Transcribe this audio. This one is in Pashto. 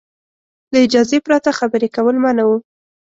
له اجازې پرته خبرې کول منع وو.